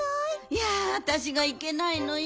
いやわたしがいけないのよ。